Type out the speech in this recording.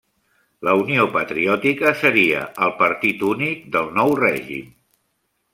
La Unió Patriòtica seria el partit únic del nou règim.